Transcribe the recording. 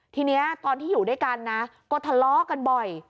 ทีนี้ตอนที่อยู่ด้วยกันนะก็ทะเลาะกันบ่อย